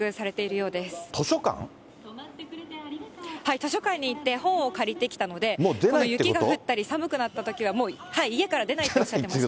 図書館に行って、本を借りてきたので、雪が降ったり、寒くなったときは、もう家から出ないっておっしゃってました。